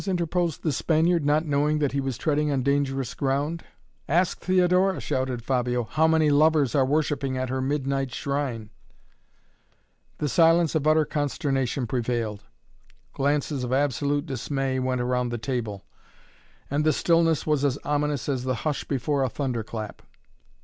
interposed the Spaniard, not knowing that he was treading on dangerous ground. "Ask Theodora," shouted Fabio, "how many lovers are worshipping at her midnight shrine!" The silence of utter consternation prevailed. Glances of absolute dismay went round the table, and the stillness was as ominous as the hush before a thunderclap.